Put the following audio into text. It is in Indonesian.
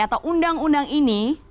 atau undang undang ini